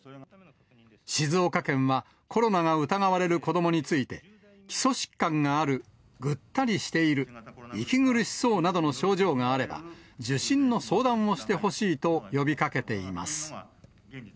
静岡県は、コロナが疑われる子どもについて、基礎疾患がある、ぐったりしている、息苦しそうなどの症状があれば、受診の相談をしてほしいと呼びかけています。